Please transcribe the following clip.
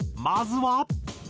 まずは。